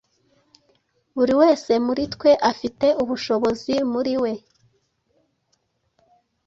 Buri wese muri twe afite ubushobozi muri we.